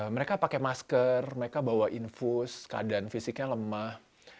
mereka pakai masker mereka bawa infus keadaan fisiknya lemah